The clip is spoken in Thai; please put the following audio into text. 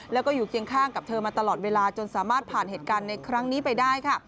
แล้วก็อยู่เคียงข้างกับเธอมาตลอดเวลาจนสามารถผ่านเหตุการณ์ในครั้งนี้ไปได้ค่ะ